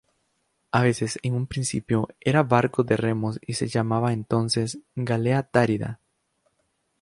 A veces en un principio, era barco de remos y se llamaba entonces "galea-tárida".